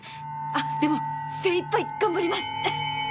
あっでも精いっぱい頑張ります！